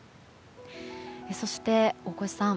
そして大越さん